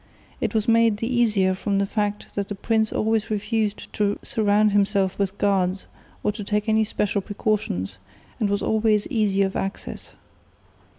It was made the easier from the fact that the prince always refused to surround himself with guards or to take any special precautions, and was always easy of access.